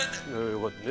よかったね。